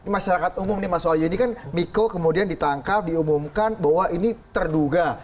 masyarakat umum nih mas wahyu ini kan miko kemudian ditangkap diumumkan bahwa ini terduga